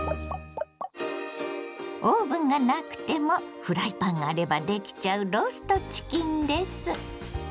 オーブンがなくてもフライパンがあればできちゃうローストチキンです。